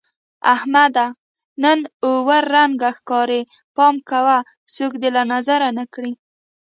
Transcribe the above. احمده! نن اووه رنگه ښکارې. پام کوه څوک دې له نظره نه کړي.